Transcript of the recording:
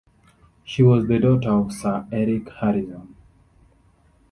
She was the daughter of Sir Eric Harrison.